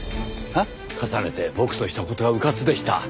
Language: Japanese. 重ねて僕とした事がうかつでした。